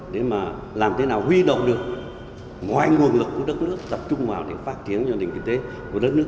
để làm thế nào huy động được ngoài nguồn lực của đất nước tập trung vào để phát triển nền kinh tế của đất nước